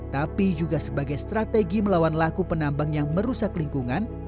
tapi juga sebagai strategi melawan laku penambang yang merusak lingkungan